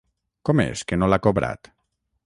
Com és que no l'ha cobrat?